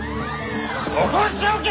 残しておけ！